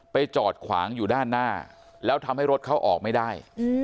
จอดขวางอยู่ด้านหน้าแล้วทำให้รถเขาออกไม่ได้